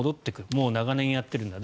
もう長年やっているんだ。